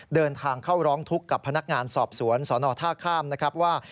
เดินทางเข้าร้องทุกข์กับพนักงานสอบสวนสนท่าข้ามนะครับว่า